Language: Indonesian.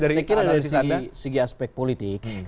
saya kira dari segi aspek politik